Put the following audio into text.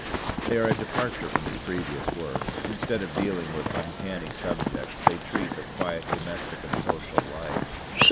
They are a departure from his previous work: instead of dealing with uncanny subjects they treat of quiet domestic and social life.